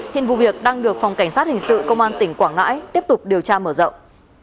hiện vụ việc đang được phòng cảnh sát hình sự công an tỉnh quảng ngãi tiếp tục điều tra mở rộng